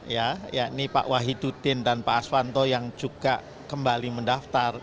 ya yakni pak wahidudin dan pak aswanto yang juga kembali mendaftar